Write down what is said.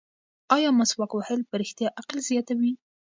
ایا مسواک وهل په رښتیا عقل زیاتوي؟